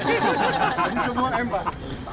ini semua m pak